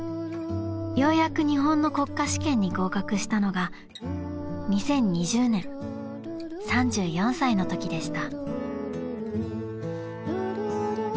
［ようやく日本の国家試験に合格したのが２０２０年３４歳のときでした］